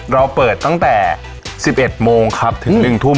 เราเปิดตั้งแต่สิบเอ็ดโมงครับถึงหนึ่งทุ่ม